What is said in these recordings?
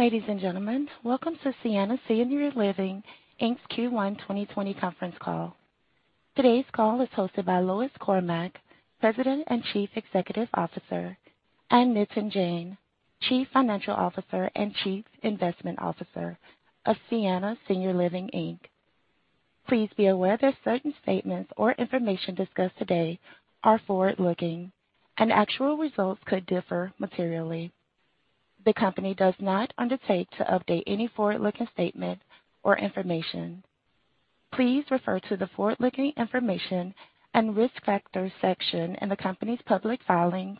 Ladies and gentlemen, welcome to Sienna Senior Living Inc.'s Q1 2020 conference call. Today's call is hosted by Lois Cormack, President and Chief Executive Officer, and Nitin Jain, Chief Financial Officer and Chief Investment Officer of Sienna Senior Living Inc. Please be aware that certain statements or information discussed today are forward-looking, and actual results could differ materially. The company does not undertake to update any forward-looking statement or information. Please refer to the forward-looking information and risk factors section in the company's public filings,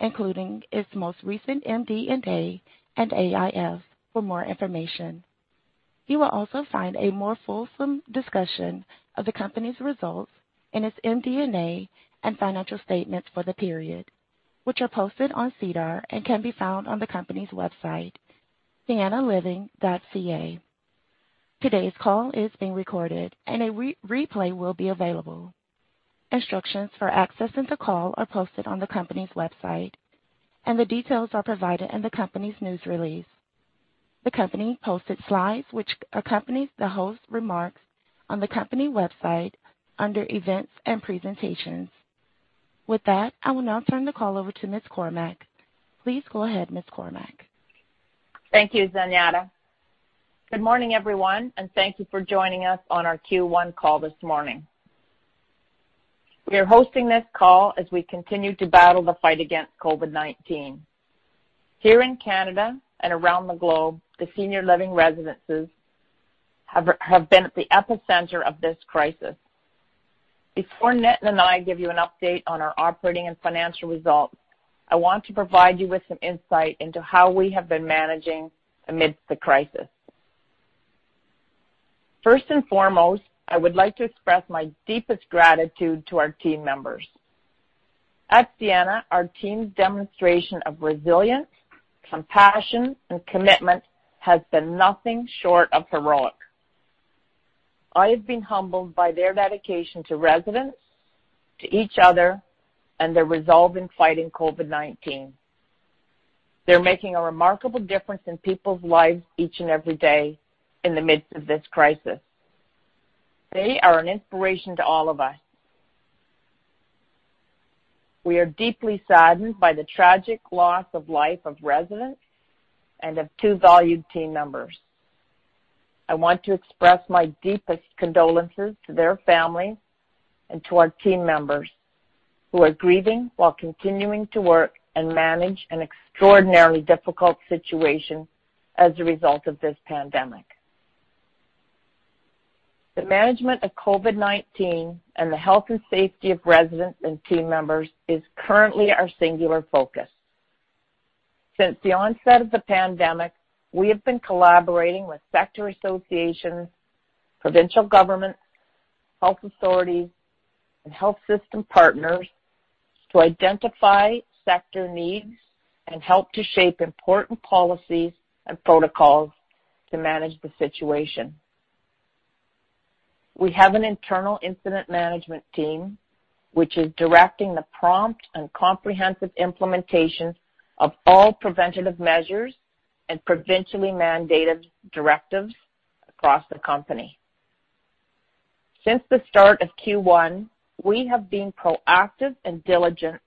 including its most recent MD&A and AIF for more information. You will also find a more fulsome discussion of the company's results in its MD&A and financial statements for the period, which are posted on SEDAR and can be found on the company's website, siennaliving.ca. Today's call is being recorded, and a replay will be available. Instructions for accessing the call are posted on the company's website, and the details are provided in the company's news release. The company posted slides which accompanies the host remarks on the company website under Events and Presentations. With that, I will now turn the call over to Ms. Cormack. Please go ahead, Ms. Cormack. Thank you, Zenyatta. Good morning, everyone, and thank you for joining us on our Q1 call this morning. We are hosting this call as we continue to battle the fight against COVID-19. Here in Canada and around the globe, the senior living residences have been at the epicenter of this crisis. Before Nitin and I give you an update on our operating and financial results, I want to provide you with some insight into how we have been managing amidst the crisis. First and foremost, I would like to express my deepest gratitude to our team members. At Sienna, our team's demonstration of resilience, compassion, and commitment has been nothing short of heroic. I have been humbled by their dedication to residents, to each other, and their resolve in fighting COVID-19. They're making a remarkable difference in people's lives each and every day in the midst of this crisis. They are an inspiration to all of us. We are deeply saddened by the tragic loss of life of residents and of two valued team members. I want to express my deepest condolences to their families and to our team members who are grieving while continuing to work and manage an extraordinarily difficult situation as a result of this pandemic. The management of COVID-19 and the health and safety of residents and team members is currently our singular focus. Since the onset of the pandemic, we have been collaborating with sector associations, provincial governments, health authorities, and health system partners to identify sector needs and help to shape important policies and protocols to manage the situation. We have an internal incident management team, which is directing the prompt and comprehensive implementation of all preventative measures and provincially mandated directives across the company. Since the start of Q1, we have been proactive and diligent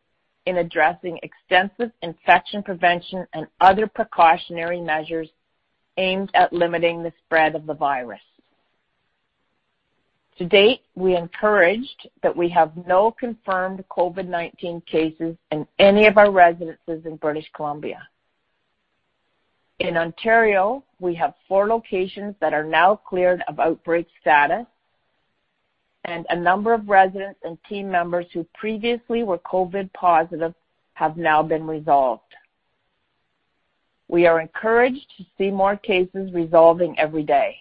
in addressing extensive infection prevention and other precautionary measures aimed at limiting the spread of the virus. To date, we are encouraged that we have no confirmed COVID-19 cases in any of our residences in British Columbia. In Ontario, we have four locations that are now cleared of outbreak status, and a number of residents and team members who previously were COVID-positive have now been resolved. We are encouraged to see more cases resolving every day.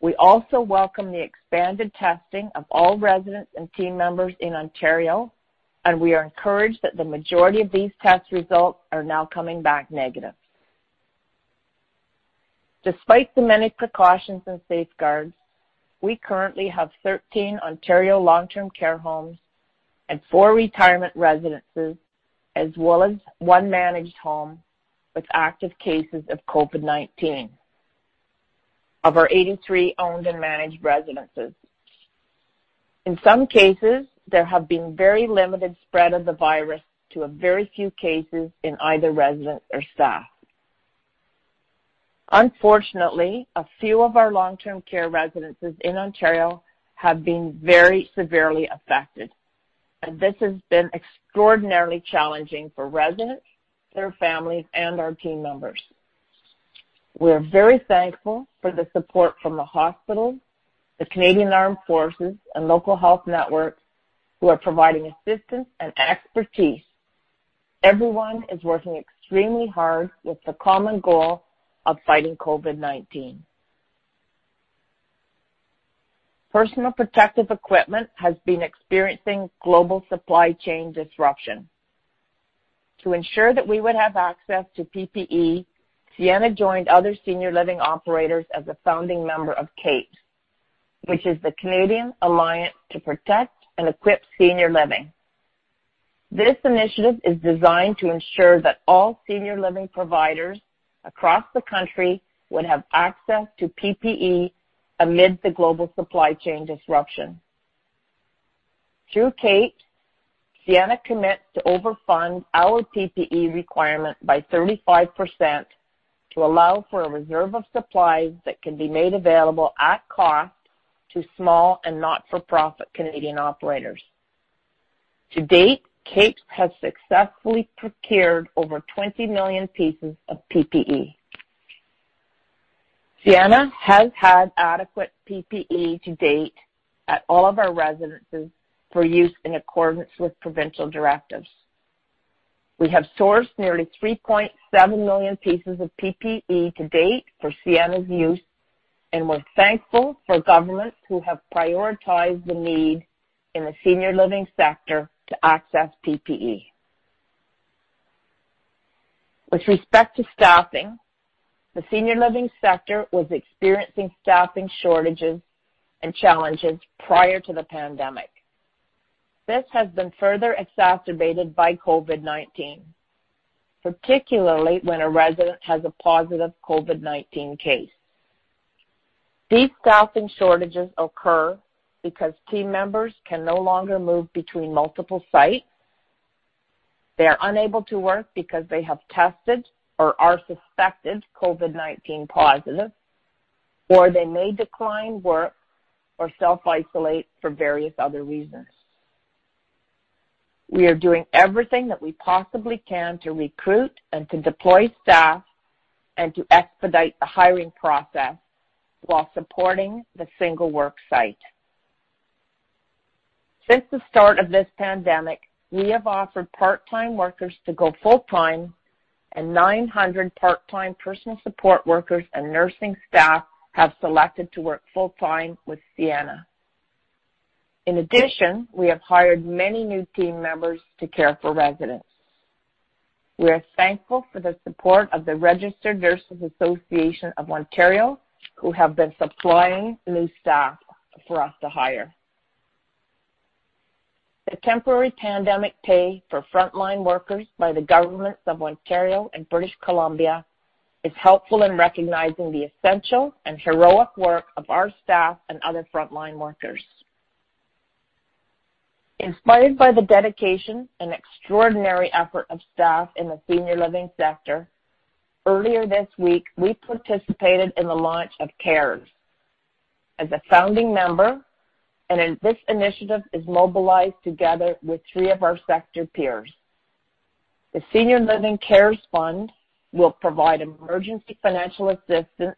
We also welcome the expanded testing of all residents and team members in Ontario, and we are encouraged that the majority of these test results are now coming back negative. Despite the many precautions and safeguards, we currently have 13 Ontario long-term care homes and four retirement residences, as well as one managed home with active cases of COVID-19 of our 83 owned and managed residences. In some cases, there have been very limited spread of the virus to a very few cases in either residents or staff. Unfortunately, a few of our long-term care residences in Ontario have been very severely affected, and this has been extraordinarily challenging for residents, their families, and our team members. We're very thankful for the support from the hospitals, the Canadian Armed Forces, and local health networks who are providing assistance and expertise. Everyone is working extremely hard with the common goal of fighting COVID-19. Personal protective equipment has been experiencing global supply chain disruption. To ensure that we would have access to PPE, Sienna joined other senior living operators as a founding member of CAPES, which is the Canadian Alliance to Protect and Equip Seniors Living. This initiative is designed to ensure that all senior living providers across the country would have access to PPE amid the global supply chain disruption. Through CAPES, Sienna commits to overfund our PPE requirement by 35% to allow for a reserve of supplies that can be made available at cost to small and not-for-profit Canadian operators. To date, CAPES has successfully procured over 20 million pieces of PPE. Sienna has had adequate PPE to date at all of our residences for use in accordance with provincial directives. We have sourced nearly 3.7 million pieces of PPE to date for Sienna's use, and we're thankful for governments who have prioritized the need in the senior living sector to access PPE. With respect to staffing, the senior living sector was experiencing staffing shortages and challenges prior to the pandemic. This has been further exacerbated by COVID-19, particularly when a resident has a positive COVID-19 case. These staffing shortages occur because team members can no longer move between multiple sites, they are unable to work because they have tested or are suspected COVID-19 positive, or they may decline work or self-isolate for various other reasons. We are doing everything that we possibly can to recruit and to deploy staff and to expedite the hiring process while supporting the single work site. Since the start of this pandemic, we have offered part-time workers to go full-time, and 900 part-time personal support workers and nursing staff have selected to work full-time with Sienna. In addition, we have hired many new team members to care for residents. We are thankful for the support of the Registered Nurses' Association of Ontario, who have been supplying new staff for us to hire. The temporary pandemic pay for frontline workers by the governments of Ontario and British Columbia is helpful in recognizing the essential and heroic work of our staff and other frontline workers. Inspired by the dedication and extraordinary effort of staff in the senior living sector, earlier this week, we participated in the launch of CaRES as a founding member, and this initiative is mobilized together with three of our sector peers. The Senior Living CaRES Fund will provide emergency financial assistance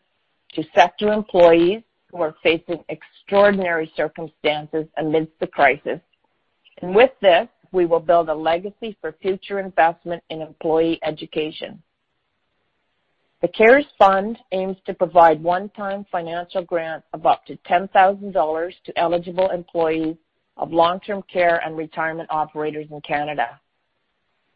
to sector employees who are facing extraordinary circumstances amidst the crisis. With this, we will build a legacy for future investment in employee education. The Senior Living CaRES Fund aims to provide one-time financial grant of up to 10,000 dollars to eligible employees of long-term care and retirement operators in Canada.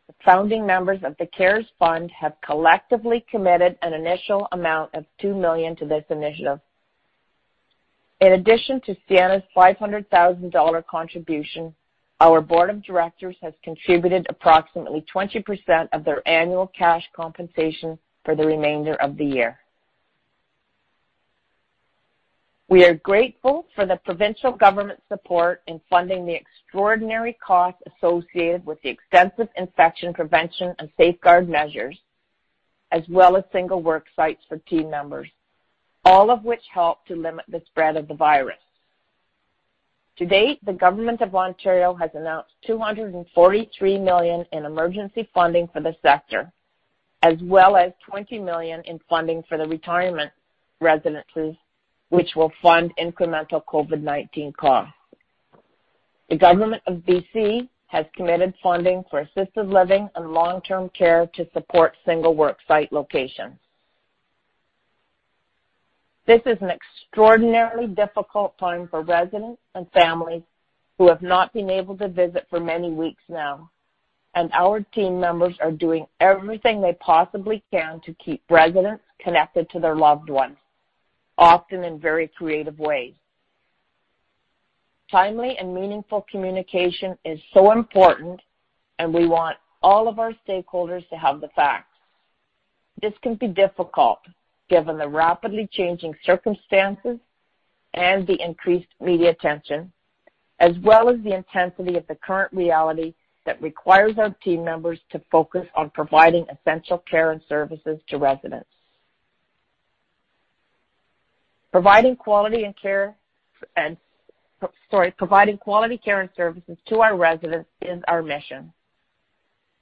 The founding members of the Senior Living CaRES Fund have collectively committed an initial amount of 2 million to this initiative. In addition to Sienna Senior Living's 500,000 dollar contribution, our board of directors has contributed approximately 20% of their annual cash compensation for the remainder of the year. We are grateful for the provincial government support in funding the extraordinary costs associated with the extensive infection prevention and safeguard measures, as well as single work sites for team members, all of which help to limit the spread of the virus. To date, the government of Ontario has announced 243 million in emergency funding for the sector, as well as 20 million in funding for the retirement residences, which will fund incremental COVID-19 costs. The government of BC has committed funding for assisted living and long-term care to support single work site locations. This is an extraordinarily difficult time for residents and families who have not been able to visit for many weeks now, and our team members are doing everything they possibly can to keep residents connected to their loved ones, often in very creative ways. Timely and meaningful communication is so important, and we want all of our stakeholders to have the facts. This can be difficult given the rapidly changing circumstances and the increased media attention, as well as the intensity of the current reality that requires our team members to focus on providing essential care and services to residents. Providing quality care and services to our residents is our mission.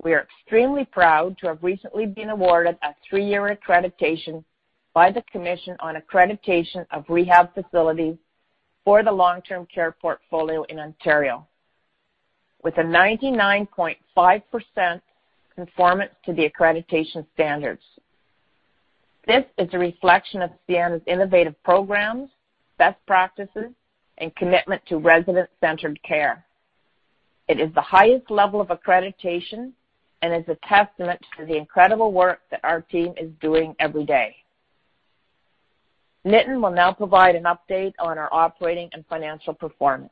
We are extremely proud to have recently been awarded a three-year accreditation by the Commission on Accreditation of Rehabilitation Facilities for the long-term care portfolio in Ontario, with a 99.5% conformance to the accreditation standards. This is a reflection of Sienna's innovative programs, best practices, and commitment to resident-centered care. It is the highest level of accreditation and is a testament to the incredible work that our team is doing every day. Nitin will now provide an update on our operating and financial performance.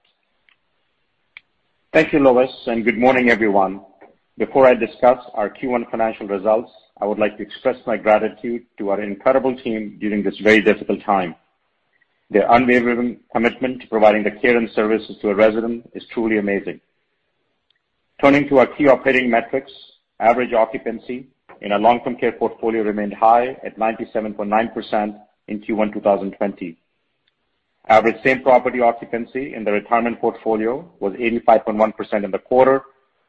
Thank you, Lois. Good morning, everyone. Before I discuss our Q1 financial results, I would like to express my gratitude to our incredible team during this very difficult time. Their unwavering commitment to providing the care and services to a resident is truly amazing. Turning to our key operating metrics, average occupancy in our long-term care portfolio remained high at 97.9% in Q1 2020. Average same-property occupancy in the retirement portfolio was 85.1% in the quarter,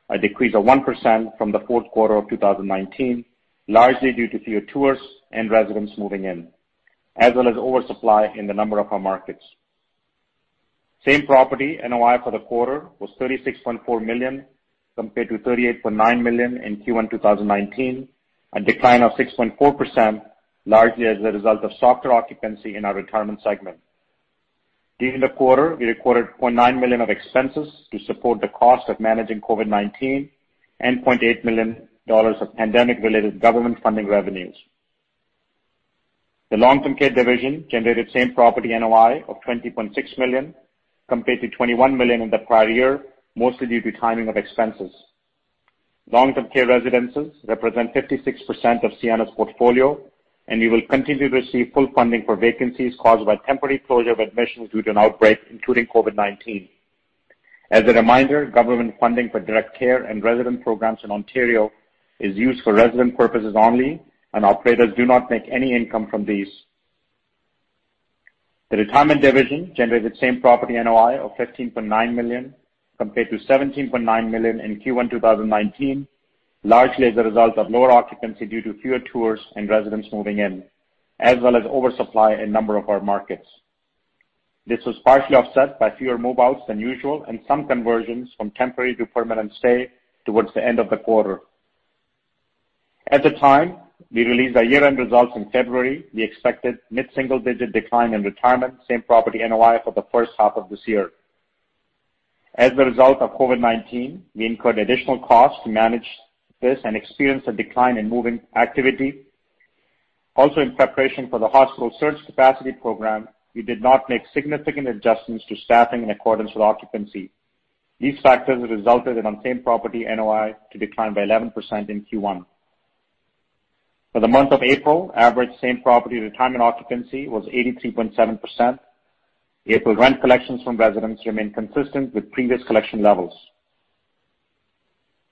a decrease of 1% from the fourth quarter of 2019, largely due to fewer tours and residents moving in, as well as oversupply in a number of our markets. Same-property NOI for the quarter was 36.4 million, compared to 38.9 million in Q1 2019, a decline of 6.4%, largely as a result of softer occupancy in our retirement segment. During the quarter, we recorded 0.9 million of expenses to support the cost of managing COVID-19 and 8.8 million dollars of pandemic related government funding revenues. The long-term care division generated same-property NOI of 20.6 million, compared to 21 million in the prior year, mostly due to timing of expenses. Long-term care residences represent 56% of Sienna's portfolio. We will continue to receive full funding for vacancies caused by temporary closure of admissions due to an outbreak, including COVID-19. As a reminder, government funding for direct care and resident programs in Ontario is used for resident purposes only, and operators do not make any income from these. The retirement division generated same-property NOI of 15.9 million, compared to 17.9 million in Q1 2019, largely as a result of lower occupancy due to fewer tours and residents moving in, as well as oversupply in a number of our markets. This was partially offset by fewer move-outs than usual and some conversions from temporary to permanent stay towards the end of the quarter. At the time we released our year-end results in February, we expected mid-single digit decline in retirement same-property NOI for the first half of this year. As a result of COVID-19, we incurred additional costs to manage this and experienced a decline in moving activity. Also, in preparation for the hospital surge capacity program, we did not make significant adjustments to staffing in accordance with occupancy. These factors resulted in same-property NOI to decline by 11% in Q1. For the month of April, average same-property retirement occupancy was 83.7%. April rent collections from residents remained consistent with previous collection levels.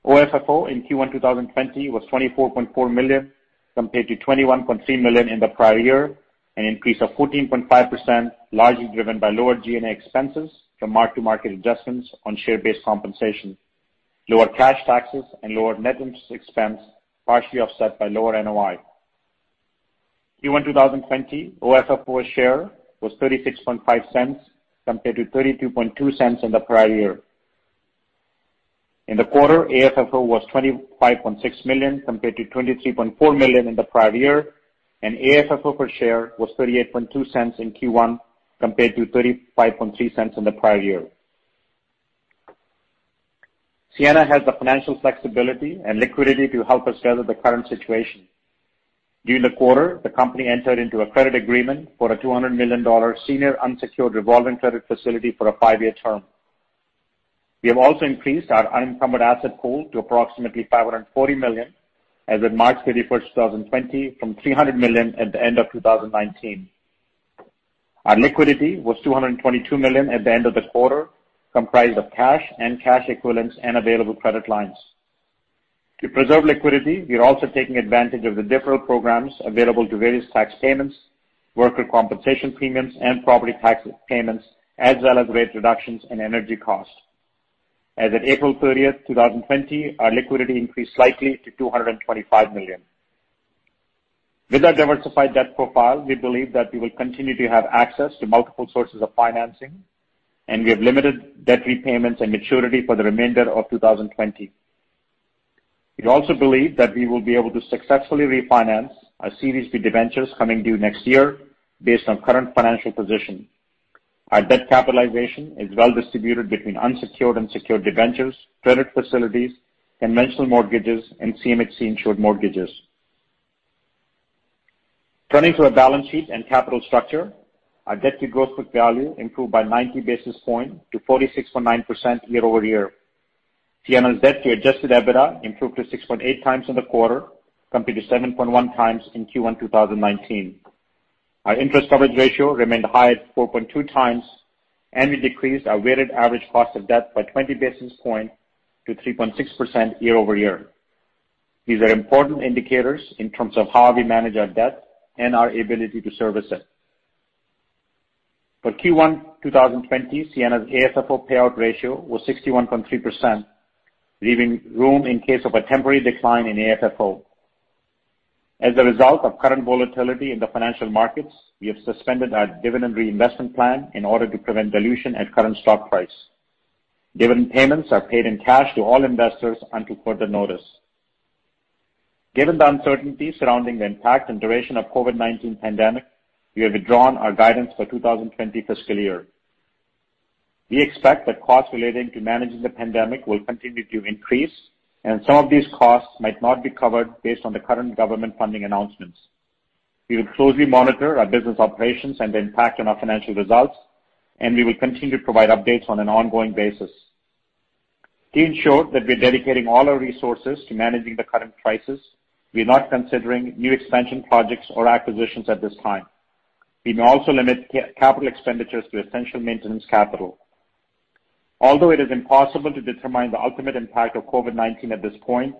OFFO in Q1 2020 was 24.4 million, compared to 21.3 million in the prior year, an increase of 14.5%, largely driven by lower G&A expenses from mark-to-market adjustments on share-based compensation, lower cash taxes, and lower net interest expense, partially offset by lower NOI. Q1 2020 OFFO per share was 0.365 compared to 0.322 in the prior year. In the quarter, AFFO was 25.6 million compared to 23.4 million in the prior year, and AFFO per share was 0.382 in Q1 compared to 0.353 in the prior year. Sienna has the financial flexibility and liquidity to help us weather the current situation. During the quarter, the company entered into a credit agreement for a 200 million dollar senior unsecured revolving credit facility for a five-year term. We have also increased our unencumbered asset pool to approximately 540 million as of March 31st, 2020, from 300 million at the end of 2019. Our liquidity was 222 million at the end of the quarter, comprised of cash and cash equivalents and available credit lines. To preserve liquidity, we are also taking advantage of the deferral programs available to various tax payments, worker compensation premiums, and property tax payments, as well as rate reductions in energy costs. As of April 30th, 2020, our liquidity increased slightly to 225 million. With our diversified debt profile, we believe that we will continue to have access to multiple sources of financing, and we have limited debt repayments and maturity for the remainder of 2020. We also believe that we will be able to successfully refinance our Series B debentures coming due next year based on current financial position. Our debt capitalization is well distributed between unsecured and secured debentures, credit facilities, conventional mortgages, and CMHC-insured mortgages. Turning to our balance sheet and capital structure, our debt to gross book value improved by 90 basis points to 46.9% year-over-year. Sienna's debt to adjusted EBITDA improved to 6.8 times in the quarter compared to 7.1 times in Q1 2019. Our interest coverage ratio remained high at 4.2 times, and we decreased our weighted average cost of debt by 20 basis points to 3.6% year-over-year. These are important indicators in terms of how we manage our debt and our ability to service it. For Q1 2020, Sienna's AFFO payout ratio was 61.3%, leaving room in case of a temporary decline in AFFO. As a result of current volatility in the financial markets, we have suspended our dividend reinvestment plan in order to prevent dilution at current stock price. Dividend payments are paid in cash to all investors until further notice. Given the uncertainty surrounding the impact and duration of COVID-19 pandemic, we have withdrawn our guidance for 2020 fiscal year. We expect that costs relating to managing the pandemic will continue to increase, and some of these costs might not be covered based on the current government funding announcements. We will closely monitor our business operations and the impact on our financial results, and we will continue to provide updates on an ongoing basis. To ensure that we are dedicating all our resources to managing the current crisis, we are not considering new expansion projects or acquisitions at this time. We may also limit capital expenditures to essential maintenance capital. Although it is impossible to determine the ultimate impact of COVID-19 at this point,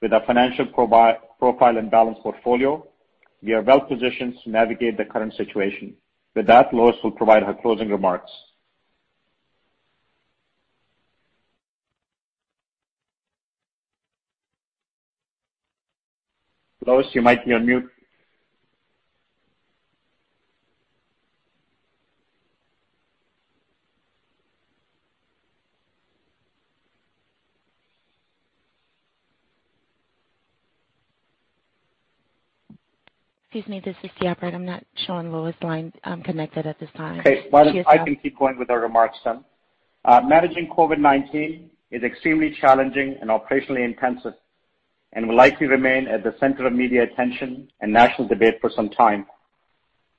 with our financial profile and balanced portfolio, we are well-positioned to navigate the current situation. With that, Lois will provide her closing remarks. Lois, you might be on mute. Excuse me, this is the operator. I'm not showing Lois line connected at this time. Okay. She is now. Well, I can keep going with our remarks then. Managing COVID-19 is extremely challenging and operationally intensive, and will likely remain at the center of media attention and national debate for some time.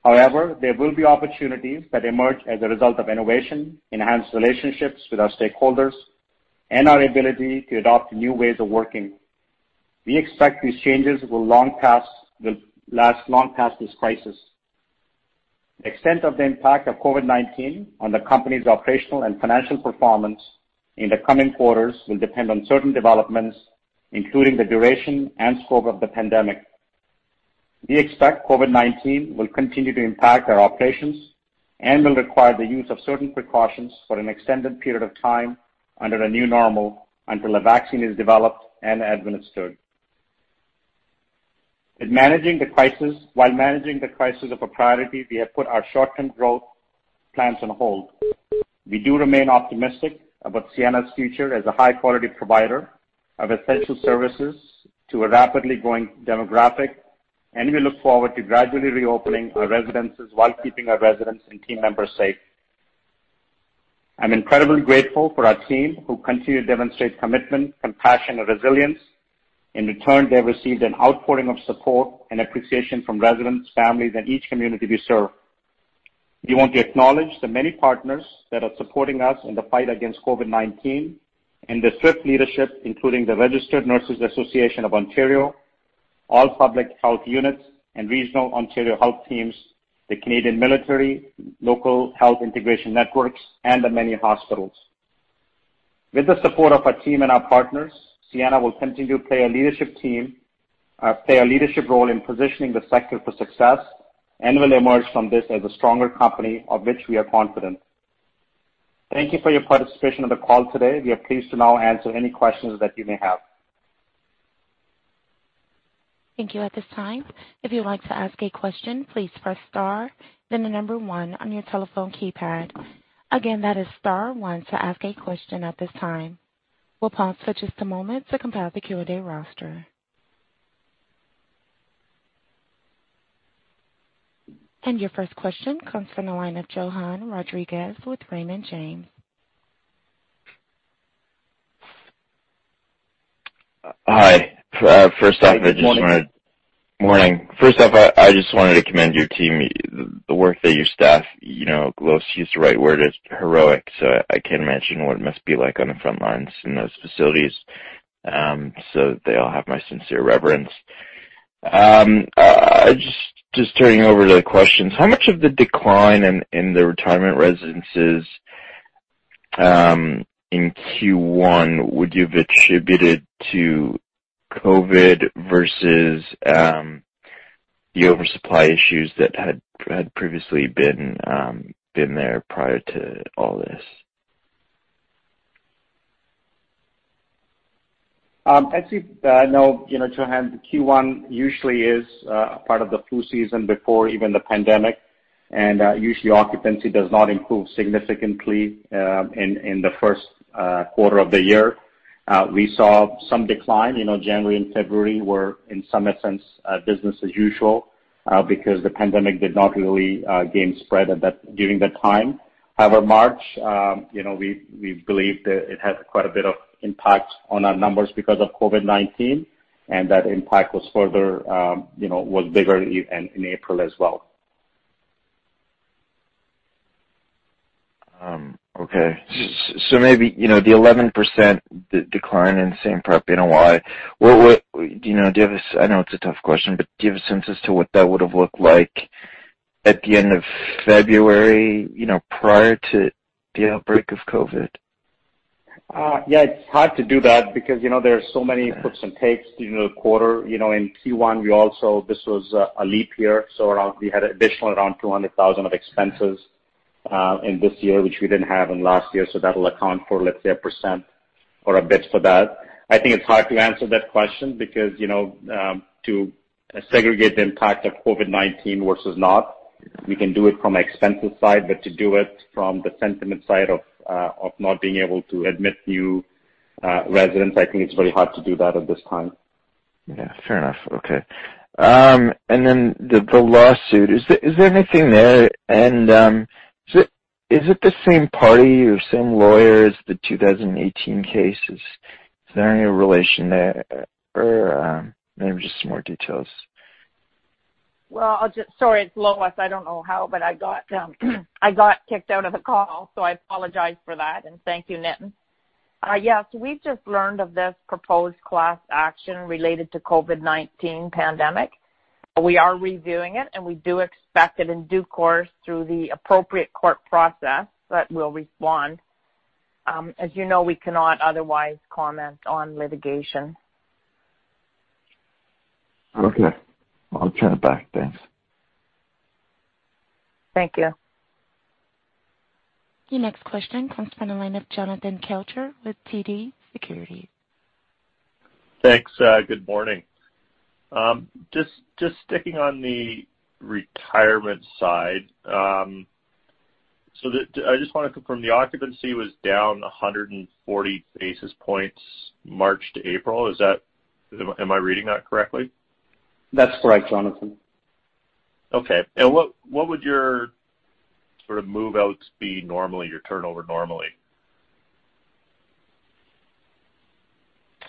However, there will be opportunities that emerge as a result of innovation, enhanced relationships with our stakeholders, and our ability to adopt new ways of working. We expect these changes will last long past this crisis. The extent of the impact of COVID-19 on the company's operational and financial performance in the coming quarters will depend on certain developments, including the duration and scope of the pandemic. We expect COVID-19 will continue to impact our operations and will require the use of certain precautions for an extended period of time under a new normal until a vaccine is developed and administered. While managing the crisis a priority, we have put our short-term growth plans on hold. We do remain optimistic about Sienna's future as a high-quality provider of essential services to a rapidly growing demographic, and we look forward to gradually reopening our residences while keeping our residents and team members safe. I'm incredibly grateful for our team, who continue to demonstrate commitment, compassion, and resilience. In return, they received an outpouring of support and appreciation from residents, families in each community we serve. We want to acknowledge the many partners that are supporting us in the fight against COVID-19 and the swift leadership, including the Registered Nurses' Association of Ontario, all public health units and regional Ontario Health Teams, the Canadian Armed Forces, Local Health Integration Networks, and the many hospitals. With the support of our team and our partners, Sienna will continue to play a leadership role in positioning the sector for success and will emerge from this as a stronger company, of which we are confident. Thank you for your participation on the call today. We are pleased to now answer any questions that you may have. Thank you. At this time, if you'd like to ask a question, please press star, then the number 1 on your telephone keypad. Again, that is star 1 to ask a question at this time. We'll pause for just a moment to compile the Q&A roster. Your first question comes from the line of Johann Rodrigues with Raymond James. Hi. Morning. First off, I just wanted to commend your team, the work that your staff, Lois used the right word, is heroic, I can't imagine what it must be like on the front lines in those facilities. They all have my sincere reverence. Just turning over to the questions, how much of the decline in the retirement residences in Q1 would you have attributed to COVID versus the oversupply issues that had previously been there prior to all this? As you know, Johann, Q1 usually is a part of the flu season before even the pandemic, and usually, occupancy does not improve significantly in the first quarter of the year. We saw some decline. January and February were, in some essence, business as usual, because the pandemic did not really gain spread during that time. However, March, we believe that it had quite a bit of impact on our numbers because of COVID-19, and that impact was bigger in April as well. Okay. Maybe, the 11% decline in same-property NOI, I know it's a tough question, but do you have a sense as to what that would've looked like at the end of February prior to the outbreak of COVID? Yeah, it's hard to do that because there are so many puts and takes during the quarter. In Q1, this was a leap year. We had additional around 200,000 of expenses in this year, which we didn't have in last year. That'll account for, let's say, a % or a bit for that. I think it's hard to answer that question because to segregate the impact of COVID-19 versus not. We can do it from an expenses side, but to do it from the sentiment side of not being able to admit new residents, I think it's very hard to do that at this time. Yeah. Fair enough. Okay. Then the lawsuit, is there anything there? Is it the same party or same lawyer as the 2018 cases? Is there any relation there? Maybe just some more details. Sorry, it's Lois. I don't know how, but I got kicked out of the call, so I apologize for that. Thank you, Nitin. Yes. We've just learned of this proposed class action related to COVID-19 pandemic. We are reviewing it, and we do expect it in due course through the appropriate court process that we'll respond. As you know, we cannot otherwise comment on litigation. Okay. I'll turn it back. Thanks. Thank you. Your next question comes from the line of Jonathan Kelcher with TD Securities. Thanks. Good morning. Just sticking on the retirement side. I just want to confirm, the occupancy was down 140 basis points March to April. Am I reading that correctly? That's correct, Jonathan. Okay. What would your sort of move-out speed normally, your turnover normally?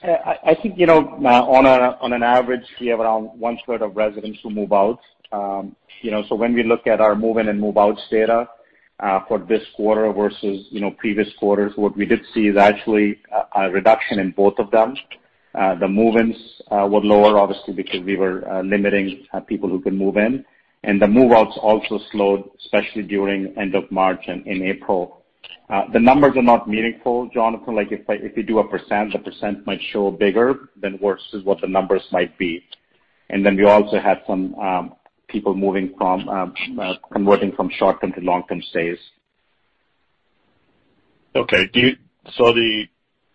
I think, on an average, we have around one third of residents who move out. When we look at our move in and move outs data, for this quarter versus previous quarters, what we did see is actually a reduction in both of them. The move-ins, were lower, obviously, because we were limiting people who could move in. The move-outs also slowed, especially during end of March and in April. The numbers are not meaningful, Jonathan. If you do a %, the % might show bigger than versus what the numbers might be. We also had some people converting from short-term to long-term stays. Okay.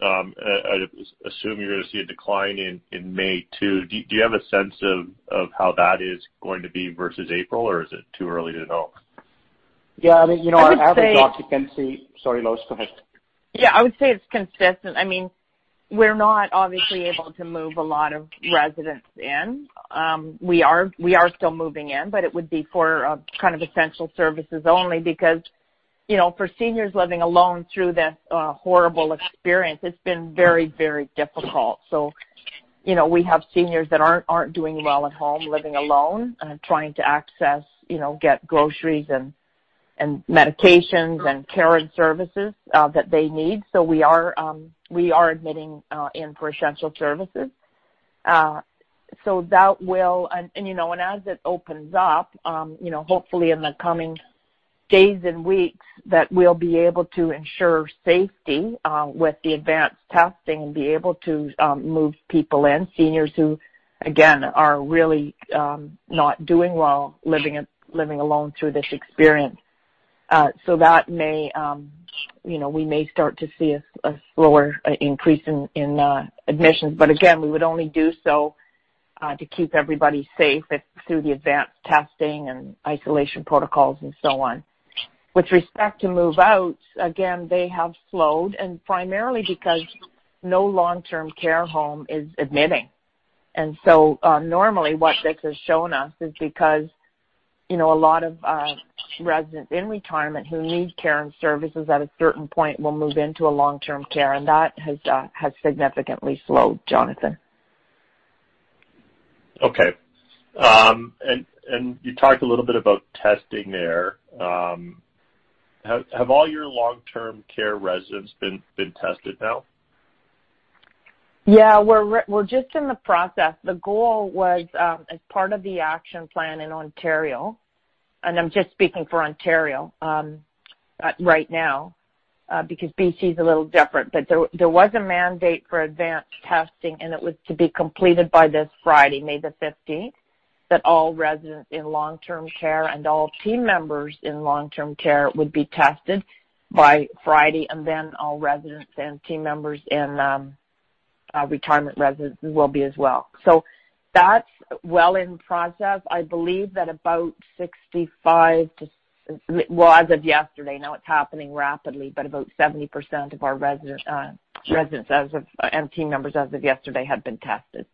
I assume you're going to see a decline in May too. Do you have a sense of how that is going to be versus April, or is it too early to know? Yeah. I would say- Occupancy Sorry, Lois. Go ahead. Yeah. I would say it's consistent. We're not obviously able to move a lot of residents in. We are still moving in, but it would be for kind of essential services only because, for seniors living alone through this horrible experience, it's been very difficult. We have seniors that aren't doing well at home, living alone, trying to access, get groceries and medications and care and services that they need. We are admitting in for essential services. As it opens up, hopefully in the coming days and weeks, that we'll be able to ensure safety, with the advanced testing and be able to move people in, seniors who, again, are really not doing well living alone through this experience. We may start to see a slower increase in admissions. Again, we would only do so, to keep everybody safe through the advanced testing and isolation protocols and so on. With respect to move-outs, again, they have slowed and primarily because no long-term care home is admitting. Normally what this has shown us is because a lot of residents in retirement who need care and services at a certain point will move into a long-term care, and that has significantly slowed, Jonathan. Okay. You talked a little bit about testing there. Have all your long-term care residents been tested now? We're just in the process. The goal was, as part of the action plan in Ontario, I'm just speaking for Ontario right now, because BC is a little different. There was a mandate for advanced testing, and it was to be completed by this Friday, May the 15th, that all residents in long-term care and all team members in long-term care would be tested by Friday. All residents and team members in retirement residences will be as well. That's well in process. I believe that about 65 to, well, as of yesterday. Now it's happening rapidly, but about 70% of our residents and team members as of yesterday had been tested.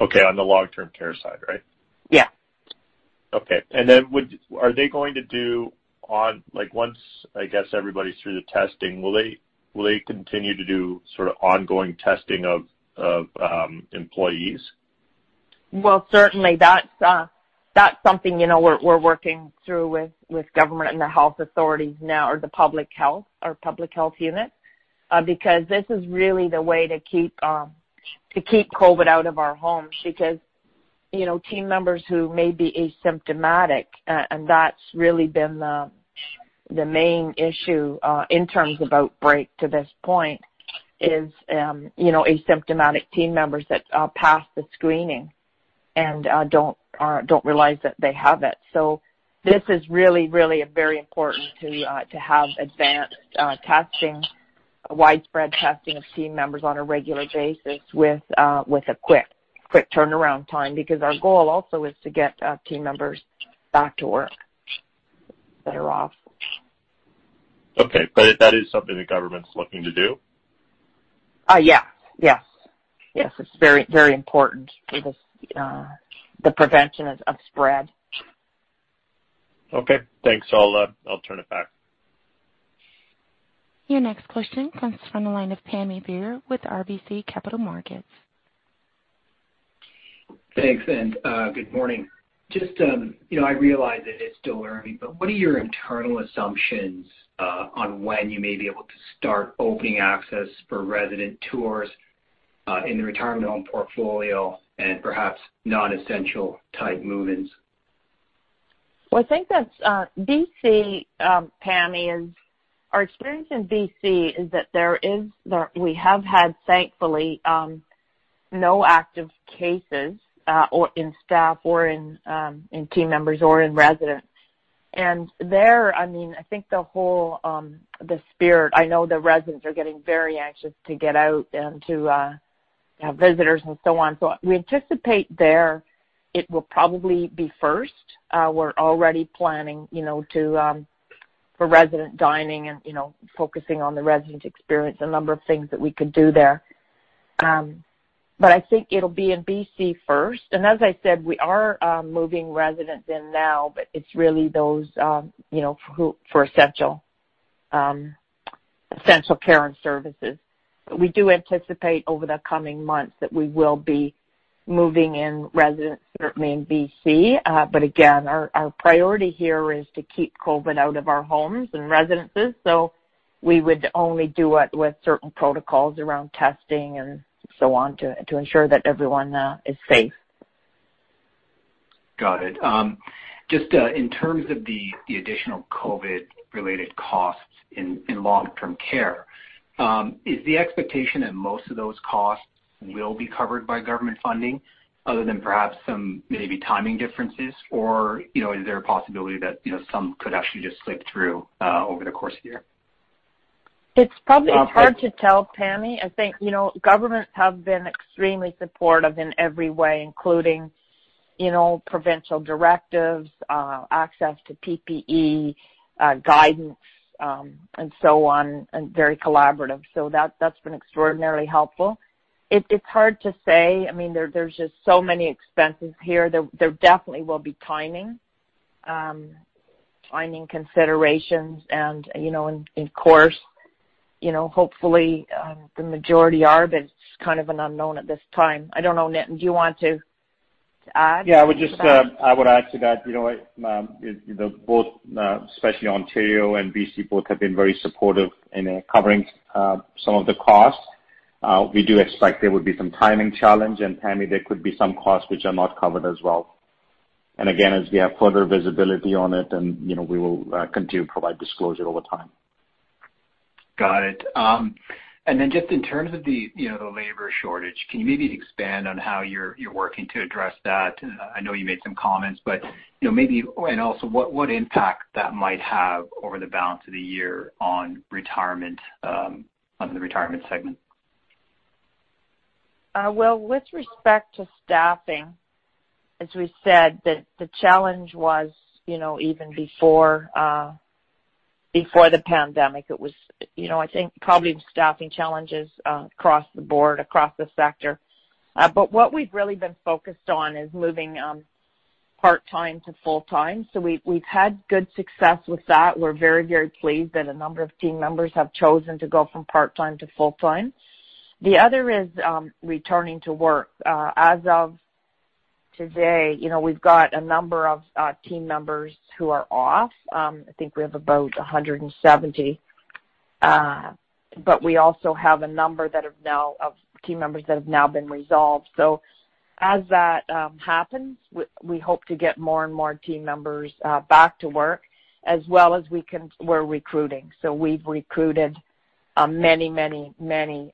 Okay. On the long-term care side, right? Yeah. Okay. Then are they going to do on, once, I guess everybody's through the testing, will they continue to do sort of ongoing testing of employees? Well, certainly that's something we're working through with government and the health authorities now, or the public health unit, because this is really the way to keep COVID out of our homes. Team members who may be asymptomatic, and that's really been the main issue, in terms of outbreak to this point is asymptomatic team members that pass the screening and don't realize that they have it. This is really very important to have advanced testing, widespread testing of team members on a regular basis with a quick turnaround time, because our goal also is to get team members back to work that are off. Okay. That is something the government's looking to do? Yeah. Yes. It's very important for the prevention of spread. Okay. Thanks. I'll turn it back. Your next question comes from the line of Pammi Bir with RBC Capital Markets. Thanks. Good morning. I realize that it's still early. What are your internal assumptions on when you may be able to start opening access for resident tours in the retirement home portfolio and perhaps non-essential type move-ins? I think that BC, Pammi, our experience in BC is that we have had, thankfully, no active cases in staff or in team members or in residents. There, I think the spirit, I know the residents are getting very anxious to get out and to have visitors and so on. We anticipate there, it will probably be first. We're already planning for resident dining and focusing on the resident experience, a number of things that we could do there. I think it'll be in BC first. As I said, we are moving residents in now, but it's really those for essential care and services. We do anticipate over the coming months that we will be moving in residents, certainly in BC. Again, our priority here is to keep COVID out of our homes and residences, so we would only do it with certain protocols around testing and so on to ensure that everyone is safe. Got it. Just in terms of the additional COVID-19 related costs in long-term care, is the expectation that most of those costs will be covered by government funding other than perhaps some maybe timing differences? Or is there a possibility that some could actually just slip through over the course of the year? It's probably hard to tell, Pammi. I think governments have been extremely supportive in every way, including provincial directives, access to PPE, guidance, and so on, and very collaborative. That's been extraordinarily helpful. It's hard to say. There's just so many expenses here. There definitely will be timing considerations, and in course, hopefully the majority are, but it's kind of an unknown at this time. I don't know, Nitin, do you want to add to that? Yeah, I would add to that, both, especially Ontario and BC, both have been very supportive in covering some of the costs. We do expect there will be some timing challenge, Pammi, there could be some costs which are not covered as well. Again, as we have further visibility on it, then we will continue to provide disclosure over time. Got it. Just in terms of the labor shortage, can you maybe expand on how you're working to address that? I know you made some comments, and also what impact that might have over the balance of the year on the retirement segment? Well, with respect to staffing, as we said, the challenge was even before the pandemic. I think probably staffing challenges across the board, across the sector. What we've really been focused on is moving part-time to full-time. We've had good success with that. We're very pleased that a number of team members have chosen to go from part-time to full-time. The other is returning to work. As of today, we've got a number of team members who are off. I think we have about 170, but we also have a number of team members that have now been resolved. As that happens, we hope to get more and more team members back to work, as well as we're recruiting. We've recruited many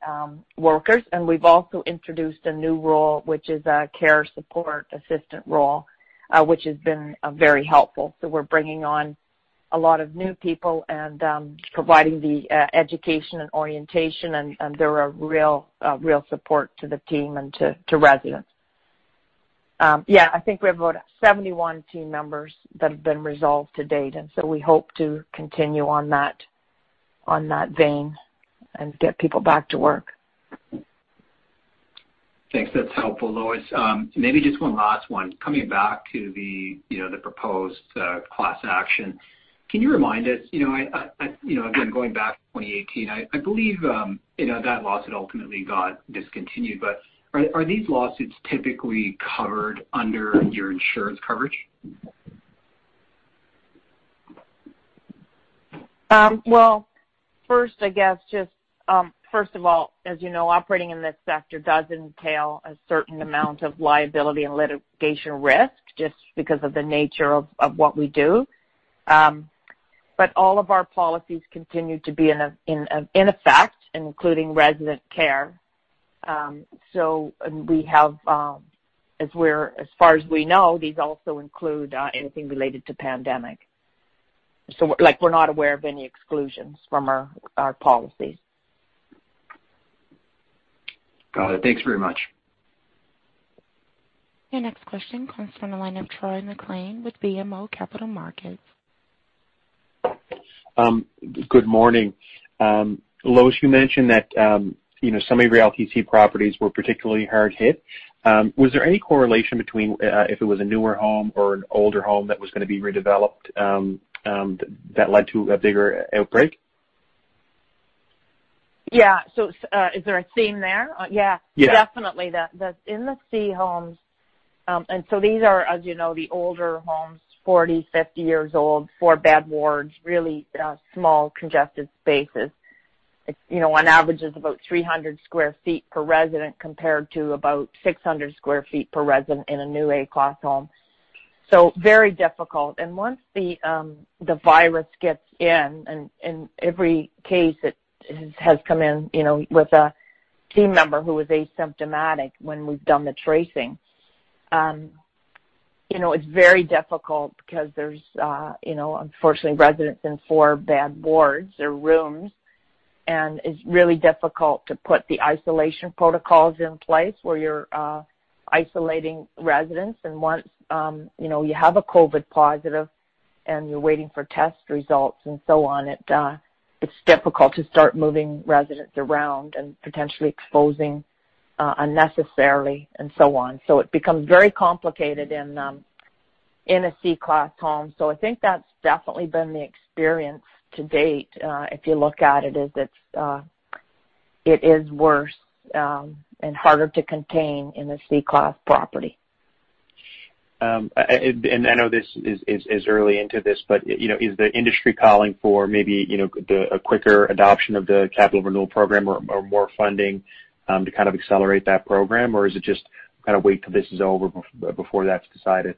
workers, and we've also introduced a new role, which is a care support assistant role, which has been very helpful. We're bringing on a lot of new people and providing the education and orientation, and they're a real support to the team and to residents. I think we have about 71 team members that have been resolved to date. We hope to continue on that vein and get people back to work. Thanks. That's helpful, Lois. Maybe just one last one. Coming back to the proposed class action, can you remind us, again, going back to 2018, I believe that lawsuit ultimately got discontinued, but are these lawsuits typically covered under your insurance coverage? First of all, as you know, operating in this sector does entail a certain amount of liability and litigation risk just because of the nature of what we do. All of our policies continue to be in effect, including resident care. As far as we know, these also include anything related to pandemic. We're not aware of any exclusions from our policies. Got it. Thanks very much. Your next question comes from the line of Troy MacLean with BMO Capital Markets. Good morning. Lois, you mentioned that some of your LTC properties were particularly hard hit. Was there any correlation between if it was a newer home or an older home that was going to be redeveloped, that led to a bigger outbreak? Yeah. Is there a theme there? Yeah. Yeah. Definitely. In the C-class homes, these are, as you know, the older homes, 40, 50 years old, four-bed wards, really small congested spaces. On average, it's about 300 sq ft per resident, compared to about 600 sq ft per resident in a new A-class home. Very difficult. Once the virus gets in, and every case, it has come in with a team member who was asymptomatic when we've done the tracing. It's very difficult because there's, unfortunately, residents in four-bed wards or rooms, and it's really difficult to put the isolation protocols in place where you're isolating residents. Once you have a COVID-positive and you're waiting for test results and so on, it's difficult to start moving residents around and potentially exposing unnecessarily and so on. It becomes very complicated in a C-class home. I think that's definitely been the experience to date. If you look at it is worse and harder to contain in a Class C property. I know this is early into this, but is the industry calling for maybe a quicker adoption of the Capital Renewal Program or more funding to kind of accelerate that program? Is it just kind of wait till this is over before that's decided?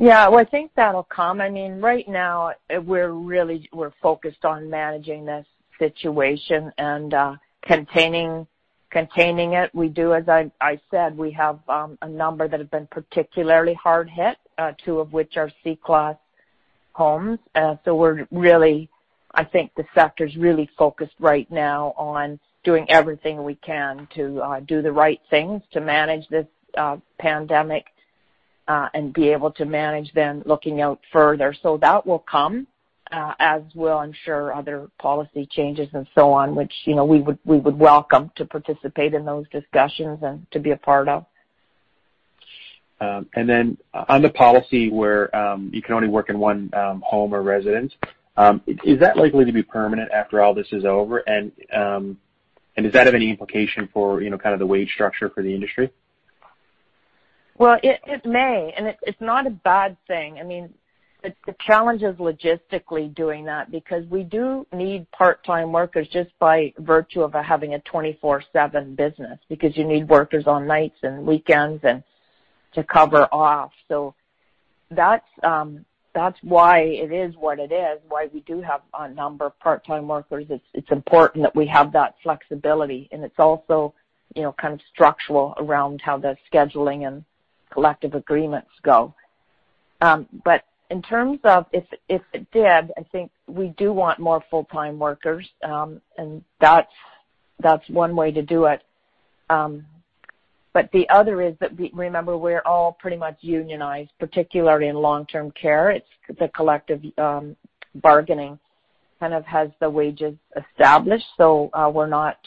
I think that'll come. Right now, we're focused on managing this situation and containing it. As I said, we have a number that have been particularly hard hit, two of which are C class homes. I think the sector's really focused right now on doing everything we can to do the right things to manage this pandemic, and be able to manage then looking out further. That will come, as will I'm sure other policy changes and so on, which we would welcome to participate in those discussions and to be a part of. On the policy where you can only work in one home or residence, is that likely to be permanent after all this is over? Does that have any implication for the wage structure for the industry? It may, and it's not a bad thing. The challenge is logistically doing that, because we do need part-time workers just by virtue of having a 24/7 business, because you need workers on nights and weekends and to cover off. That's why it is what it is, why we do have a number of part-time workers. It's important that we have that flexibility, and it's also kind of structural around how the scheduling and collective agreements go. In terms of if it did, I think we do want more full-time workers, and that's one way to do it. The other is that, remember, we're all pretty much unionized, particularly in long-term care. It's the collective bargaining kind of has the wages established, so we're not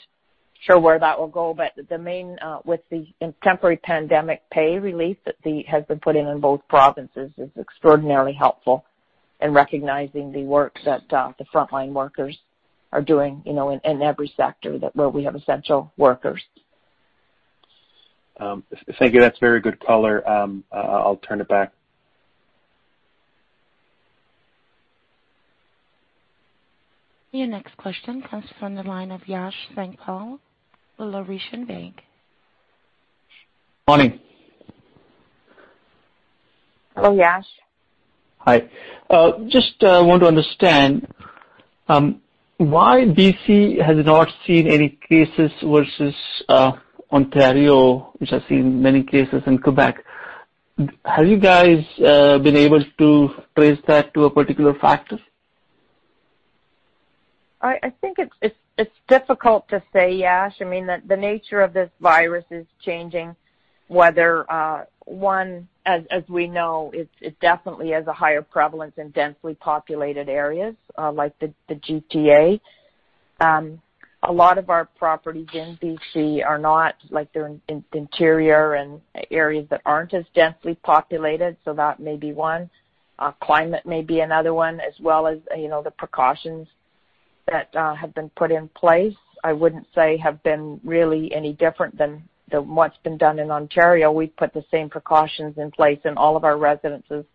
sure where that will go. With the temporary pandemic pay relief that has been put in in both provinces is extraordinarily helpful in recognizing the work that the frontline workers are doing in every sector where we have essential workers. Thank you. That's very good color. I'll turn it back. Your next question comes from the line of Yash Sankpal with Laurentian Bank. Morning. Hello, Yash. Hi. I just want to understand why BC has not seen any cases versus Ontario, which has seen many cases, and Quebec. Have you guys been able to trace that to a particular factor? I think it's difficult to say, Yash. The nature of this virus is changing. Whether one, as we know, it definitely has a higher prevalence in densely populated areas like the GTA. A lot of our properties in BC are not, they're in interior and areas that aren't as densely populated, so that may be one. Climate may be another one, as well as the precautions that have been put in place, I wouldn't say have been really any different than what's been done in Ontario. We've put the same precautions in place in all of our residences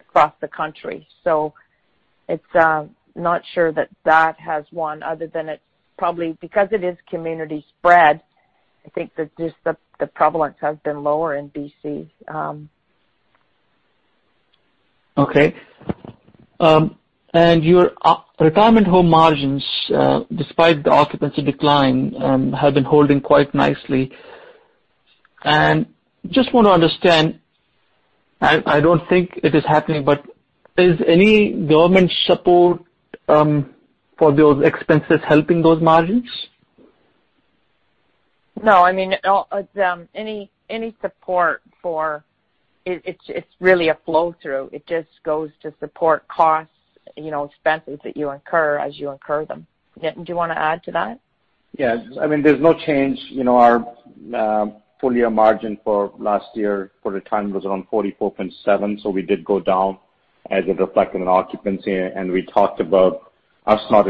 across the country. I'm not sure that that has one other than it's probably because it is community spread. I think that just the prevalence has been lower in BC. Okay. Your retirement home margins, despite the occupancy decline, have been holding quite nicely. I just want to understand, I don't think it is happening, but is any government support for those expenses helping those margins? No. Any support for it's really a flow-through. It just goes to support costs, expenses that you incur as you incur them. Nitin, do you want to add to that? Yes. There's no change. Our full year margin for last year for the time was around 44.7, we did go down as it reflected an occupancy, and we talked about us not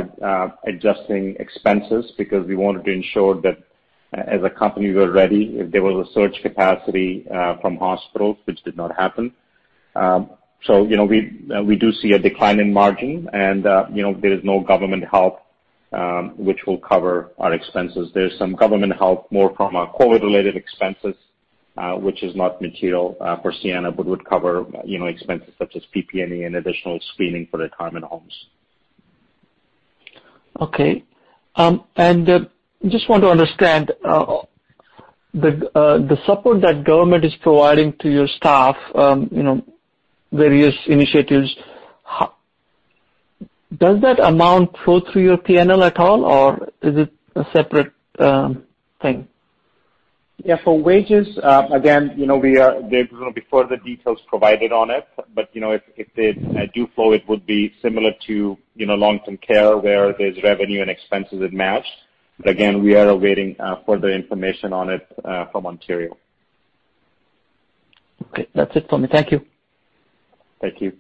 adjusting expenses because we wanted to ensure that as a company we're ready if there was a surge capacity from hospitals, which did not happen. We do see a decline in margin and there is no government help, which will cover our expenses. There's some government help more from our COVID-related expenses, which is not material for Sienna, but would cover expenses such as PPE and additional screening for retirement homes. Okay. Just want to understand, the support that government is providing to your staff, various initiatives, does that amount flow through your P&L at all, or is it a separate thing? Yeah. For wages, again, there's going to be further details provided on it. If they do flow, it would be similar to long-term care where there's revenue and expenses it matched. Again, we are awaiting further information on it from Ontario. Okay. That's it for me. Thank you. Thank you.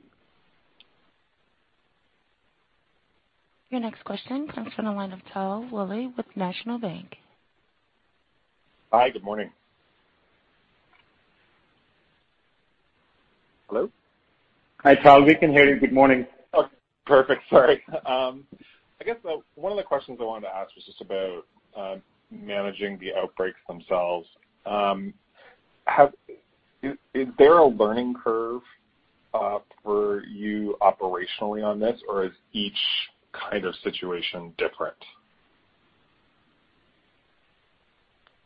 Your next question comes from the line of Tal Woolley with National Bank. Hi, good morning. Hello? Hi, Tal. We can hear you. Good morning. Perfect. Sorry. I guess one of the questions I wanted to ask was just about managing the outbreaks themselves. Is there a learning curve, for you operationally on this, or is each kind of situation different?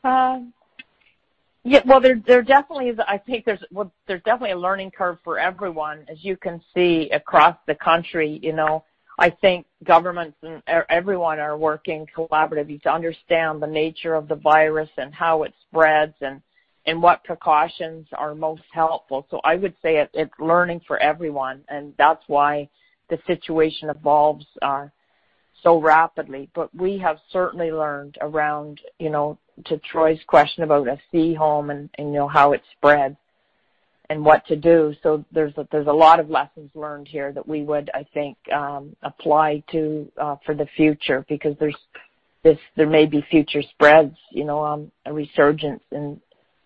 There is definitely a learning curve for everyone, as you can see across the country. I think governments and everyone are working collaboratively to understand the nature of the virus and how it spreads and what precautions are most helpful. I would say it is learning for everyone, and that is why the situation evolves so rapidly. We have certainly learned around, to Troy's question about a C home and how it spread and what to do. There is a lot of lessons learned here that we would, I think, apply to for the future because there may be future spreads, a resurgence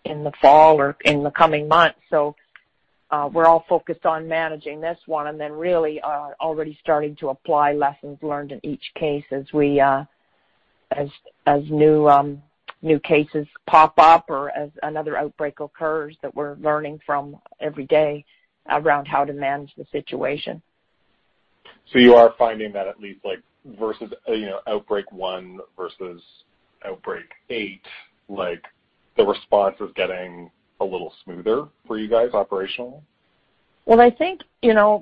in the fall or in the coming months. We're all focused on managing this one and then really are already starting to apply lessons learned in each case as new cases pop up or as another outbreak occurs that we're learning from every day around how to manage the situation. You are finding that at least versus, outbreak 1 versus outbreak 8, the response is getting a little smoother for you guys operationally? Well, I think,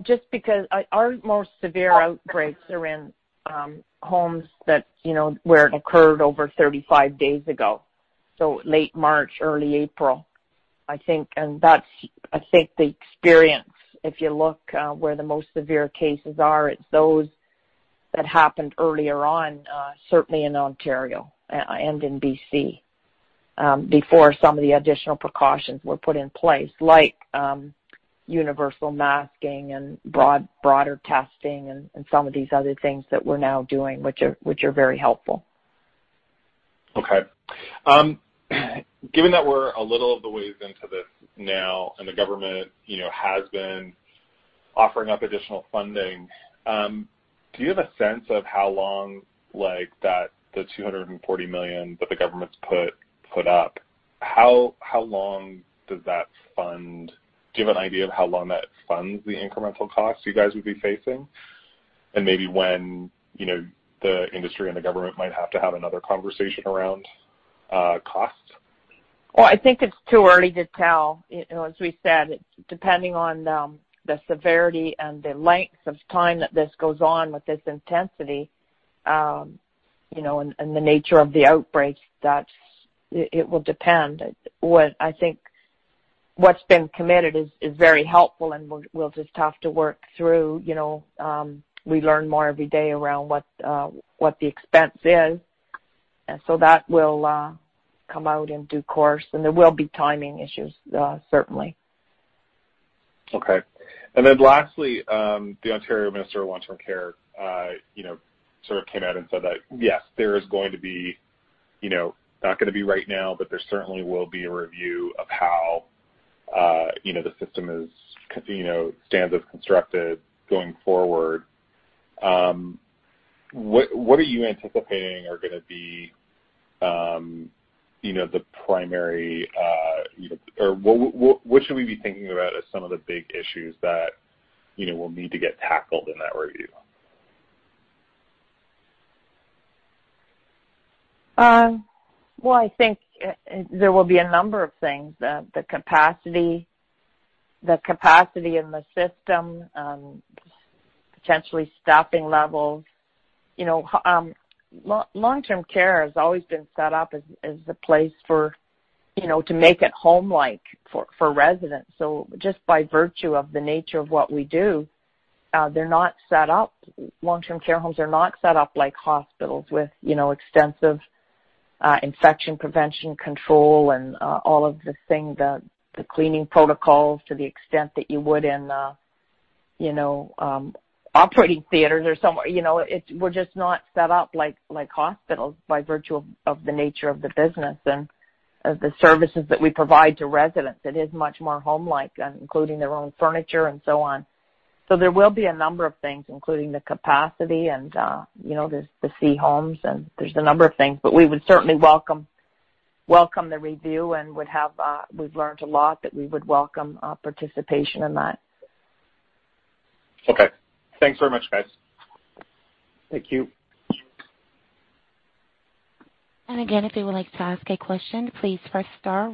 just because our most severe outbreaks are in homes that where it occurred over 35 days ago, so late March, early April. I think the experience, if you look where the most severe cases are, it's those that happened earlier on, certainly in Ontario and in B.C., before some of the additional precautions were put in place, like universal masking and broader testing and some of these other things that we're now doing, which are very helpful. Okay. Given that we're a little of the ways into this now and the government has been offering up additional funding, do you have a sense of how long, like the 240 million that the government's put up, do you have an idea of how long that funds the incremental costs you guys would be facing, and maybe when the industry and the government might have to have another conversation around costs? Well, I think it's too early to tell. As we said, depending on the severity and the length of time that this goes on with this intensity, and the nature of the outbreaks, it will depend. I think what's been committed is very helpful and we'll just have to work through. We learn more every day around what the expense is. That will come out in due course, and there will be timing issues, certainly. Okay. Lastly, the Ontario Minister of Long-Term Care, sort of came out and said that, yes, not going to be right now, but there certainly will be a review of how the system stands as constructed going forward. What are you anticipating are going to be the primary, or what should we be thinking about as some of the big issues that we'll need to get tackled in that review? Well, I think there will be a number of things. The capacity in the system, potentially staffing levels. Long-term care has always been set up as the place to make it home-like for residents. Just by virtue of the nature of what we do, long-term care homes are not set up like hospitals with extensive infection prevention control and all of the things, the cleaning protocols to the extent that you would in operating theaters or somewhere. We're just not set up like hospitals by virtue of the nature of the business and of the services that we provide to residents. It is much more home-like, including their own furniture and so on. There will be a number of things, including the capacity and the LTC homes, and there's a number of things. We would certainly welcome the review, and we've learned a lot, that we would welcome participation in that. Okay. Thanks very much, guys. Thank you. Again, if you would like to ask a question, please press star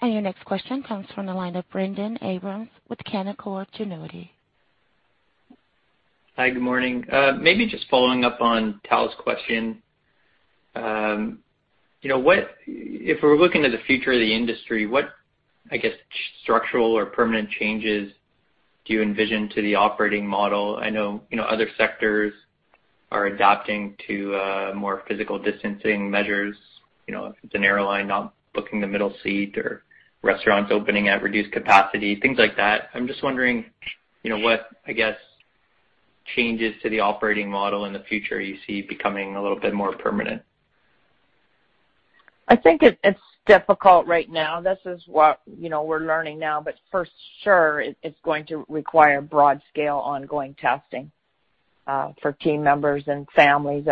one. Your next question comes from the line of Brendon Abrams with Canaccord Genuity. Hi, good morning. Maybe just following up on Tal's question. If we're looking at the future of the industry, what, I guess, structural or permanent changes do you envision to the operating model? I know other sectors are adapting to more physical distancing measures. If it's an airline not booking the middle seat or restaurants opening at reduced capacity, things like that. I'm just wondering, what, I guess, changes to the operating model in the future you see becoming a little bit more permanent? I think it's difficult right now. This is what we're learning now, but for sure, it's going to require broad-scale ongoing testing for team members and families,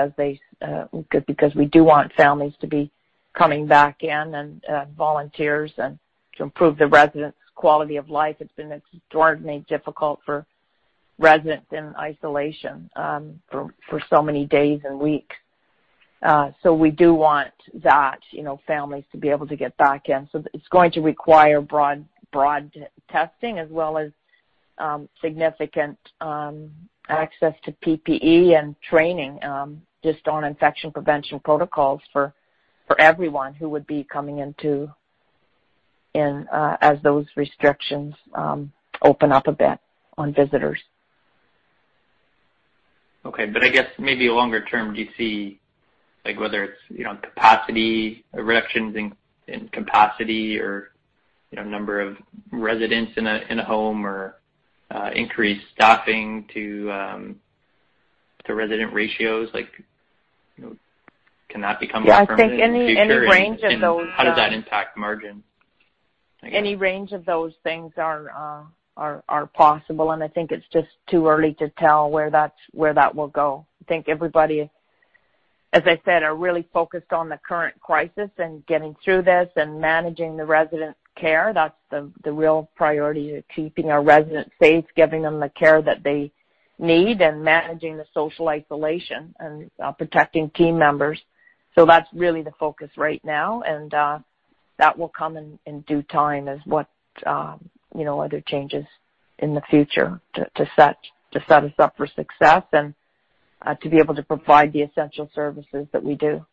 because we do want families to be coming back in, and volunteers, and to improve the residents' quality of life. It's been extraordinarily difficult for residents in isolation for so many days and weeks. We do want that, families to be able to get back in. It's going to require broad testing as well as significant access to PPE and training, just on infection prevention protocols for everyone who would be coming into as those restrictions open up a bit on visitors. Okay, I guess maybe longer term, do you see whether it's capacity reductions in capacity or number of residents in a home or increased staffing to resident ratios, can that become more permanent in the future? Yeah, I think any range of those- How does that impact margin? Any range of those things are possible, and I think it's just too early to tell where that will go. I think everybody, as I said, are really focused on the current crisis and getting through this and managing the resident care. That's the real priority, keeping our residents safe, giving them the care that they need, and managing the social isolation and protecting team members. That's really the focus right now, and that will come in due time as what other changes in the future to set us up for success and to be able to provide the essential services that we do.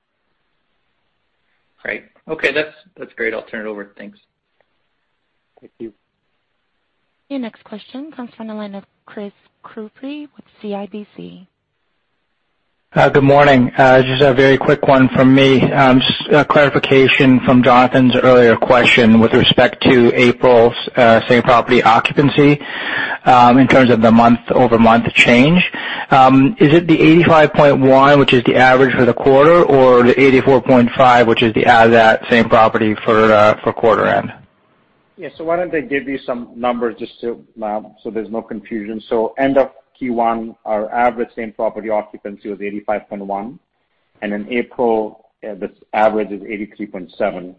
Great. Okay, that's great. I'll turn it over. Thanks. Thank you. Your next question comes from the line of Chris Couprie with CIBC. Good morning. Just a very quick one from me. Just a clarification from Jonathan's earlier question with respect to April's same-property occupancy in terms of the month-over-month change. Is it the 85.1, which is the average for the quarter, or the 84.5, which is the as of that same-property for quarter end? Yeah, why don't I give you some numbers just so there's no confusion. End of Q1, our average same-property occupancy was 85.1, and in April, the average is 83.7.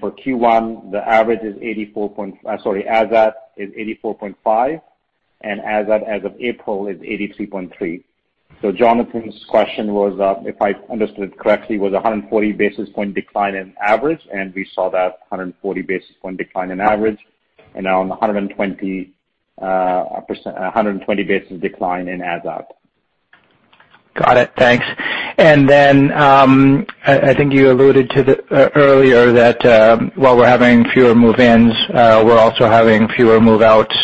For Q1, the average is 84.5, and as of April is 83.3. Jonathan's question was, if I understood correctly, was 140 basis point decline in average, and we saw that 140 basis point decline in average and now 120 basis decline in as of. Got it. Thanks. I think you alluded to earlier that while we're having fewer move-ins, we're also having fewer move-outs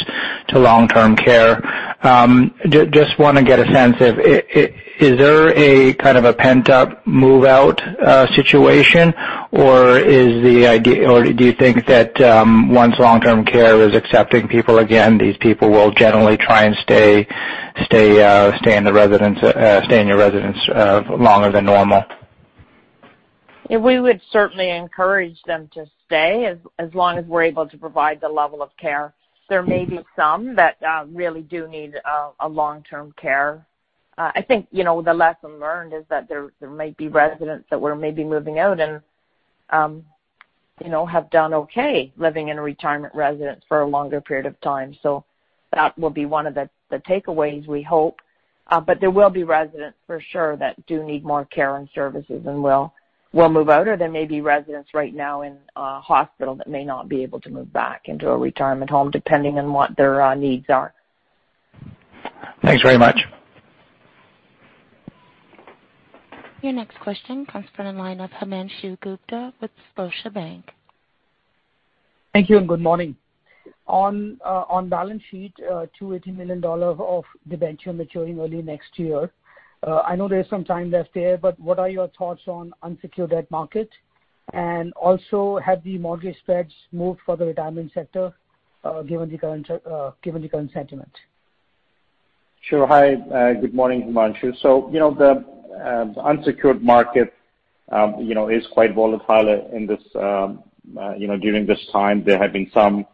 to long-term care. I just want to get a sense of, is there a kind of a pent-up move-out situation? Do you think that once long-term care is accepting people again, these people will generally try and stay in your residence longer than normal? We would certainly encourage them to stay as long as we're able to provide the level of care. There may be some that really do need long-term care. I think the lesson learned is that there might be residents that were maybe moving out and have done okay living in a retirement residence for a longer period of time. That will be one of the takeaways, we hope. There will be residents for sure that do need more care and services and will move out, or there may be residents right now in hospital that may not be able to move back into a retirement home, depending on what their needs are. Thanks very much. Your next question comes from the line of Himanshu Gupta with Scotiabank. Thank you and good morning. On balance sheet, 280 million dollar of debenture maturing early next year. I know there is some time left there, but what are your thoughts on unsecured debt market? Also, have the mortgage spreads moved for the retirement sector given the current sentiment? Sure. Hi, good morning, Himanshu. The unsecured market is quite volatile during this time. There have been some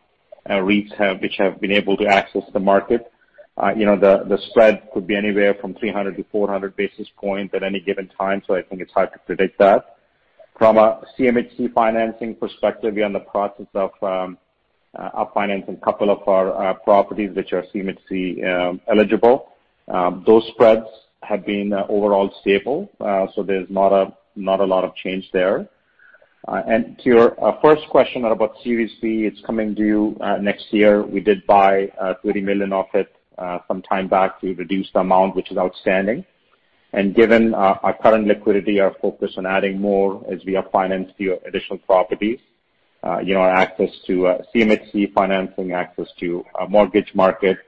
REITs which have been able to access the market. The spread could be anywhere from 300 to 400 basis points at any given time, I think it's hard to predict that. From a CMHC financing perspective, we are in the process of financing a couple of our properties which are CMHC eligible. Those spreads have been overall stable, there's not a lot of change there. To your first question about CMHC, it's coming due next year. We did buy 30 million of it some time back. We reduced the amount which is outstanding. Given our current liquidity, our focus on adding more as we finance a few additional properties, our access to CMHC financing, access to mortgage market,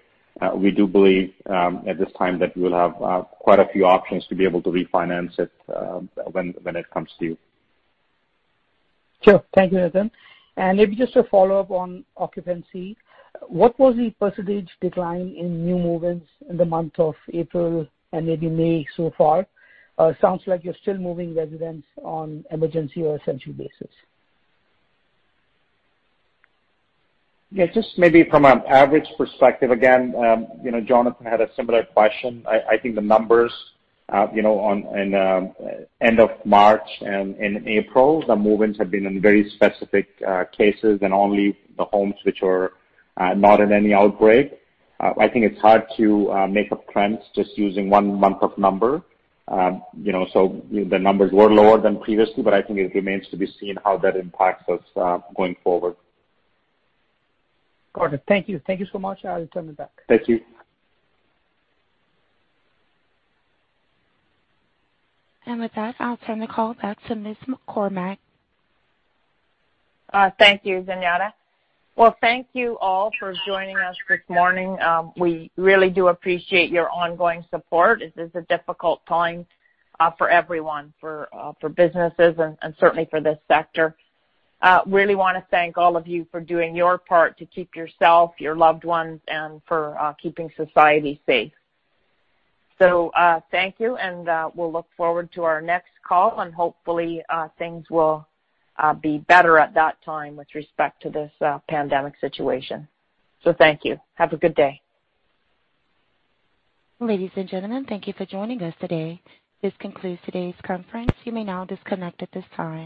we do believe at this time that we'll have quite a few options to be able to refinance it when it comes due. Sure. Thank you, Nitin. Maybe just a follow-up on occupancy. What was the % decline in new move-ins in the month of April and maybe May so far? Sounds like you're still moving residents on emergency or essential basis. Yeah, just maybe from an average perspective again, Jonathan had a similar question. I think the numbers in end of March and in April, the move-ins have been in very specific cases and only the homes which were not in any outbreak. I think it's hard to make up trends just using one month of number. The numbers were lower than previously, but I think it remains to be seen how that impacts us going forward. Got it. Thank you. Thank you so much. I'll return it back. Thank you. With that, I'll turn the call back to Ms. Cormack. Thank you, Zenyatta. Well, thank you all for joining us this morning. We really do appreciate your ongoing support. This is a difficult time for everyone, for businesses and certainly for this sector. Really want to thank all of you for doing your part to keep yourself, your loved ones, and for keeping society safe. Thank you, and we'll look forward to our next call and hopefully things will be better at that time with respect to this pandemic situation. Thank you. Have a good day. Ladies and gentlemen, thank you for joining us today. This concludes today's conference. You may now disconnect at this time.